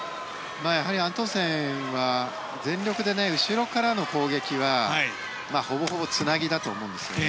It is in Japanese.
やはりアントンセンは後ろからの攻撃はほぼほぼつなぎだと思うんです。